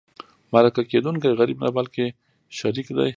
مرکه کېدونکی غریب نه بلکې شریك دی.